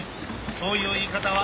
そういう言い方は。